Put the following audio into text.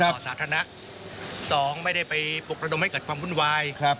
ก็สาธารณะ๒ไม่ได้ไปปลุกระดมให้เกิดความวุ่นวาย